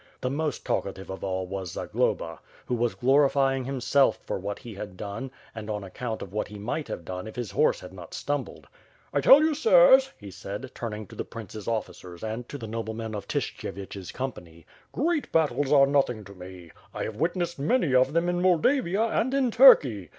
The most talkative of all was Zagloba, who was glorifying himself for what he had done, and on account of what he might have done if his horse had not stumbled. "I tell you, sirs," he said, turning to the prince's officers and to the noblemen of Tyshkyevich's company. "Great bat tles are nothing to me. 1 have witnessed many of them in Moldavia and in Turkey.